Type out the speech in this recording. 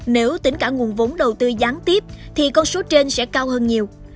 nếu tính cả nguồn vốn đầu tư gián tiếp thì con số trên sẽ cao hơn nhiều